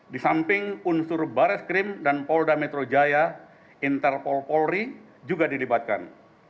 disamping unsur bareskrim dan polda metro jaya interpol polri juga dilibatkan